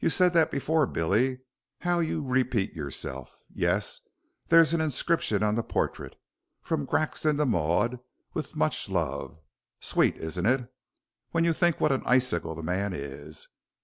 "You said that before, Billy. How you repeat yourself! Yes. There's an inscription on the portrait 'From Grexon to Maud with much love' sweet, isn't it? when you think what an icicle the man is.